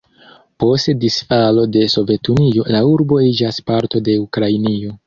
Post disfalo de Sovetunio la urbo iĝas parto de Ukrainio.